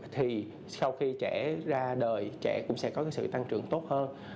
thì sau khi trẻ ra đời trẻ cũng sẽ có sự tăng trưởng tốt hơn